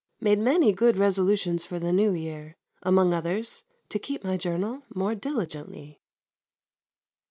Made many good resolutions for the New Year. Among others to keep my journal more diligently.